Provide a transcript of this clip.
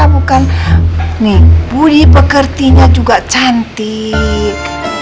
bukan nih budi pekertinya juga cantik